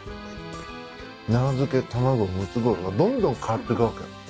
奈良漬卵ムツゴロウがどんどん変わってくわけ。